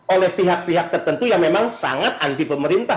oleh pihak pihak tertentu yang memang sangat anti pemerintah